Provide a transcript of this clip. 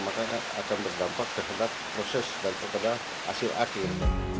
maka akan berdampak terhadap proses dan terhadap hasil akhir